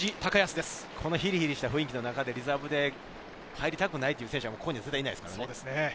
このヒリヒリした雰囲気の中で、リザーブで入りたくないっていう選手はいないですから。